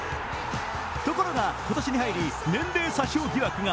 ところが今年に入り、年齢詐称疑惑が。